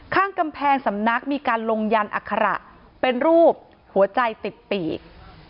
ข้างกำแพงสำนักมีการลงยันอัคระเป็นรูปหัวใจติดปีก